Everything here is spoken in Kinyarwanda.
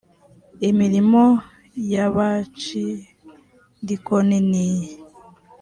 imirimo ya bacidikoni niyi